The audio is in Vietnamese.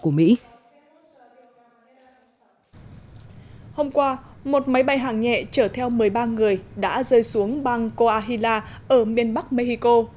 hôm qua một máy bay hàng nhẹ chở theo một mươi ba người đã rơi xuống bang coahila ở miền bắc mexico